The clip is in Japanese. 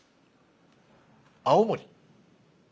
青森。